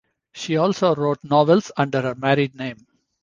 She also wrote novels under her married name.